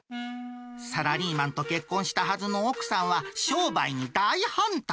サラリーマンと結婚したはずの奥さんは、商売に大反対。